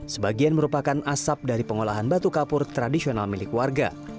sebagian merupakan asap dari pengolahan batu kapur tradisional milik warga